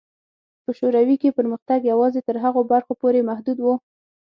په شوروي کې پرمختګ یوازې تر هغو برخو پورې محدود و.